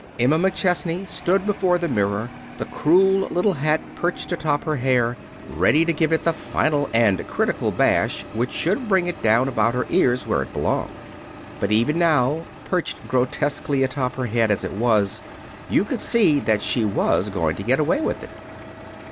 Emma McChesney stood before the mirror, the cruel little hat perched atop her hair, ready to give it the final and critical bash which should bring it down about her ears where it belonged. But even now, perched grotesquely atop her head as it was, you could see that she was going to get away with it.